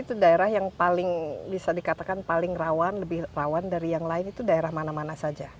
itu daerah yang paling bisa dikatakan paling rawan lebih rawan dari yang lain itu daerah mana mana saja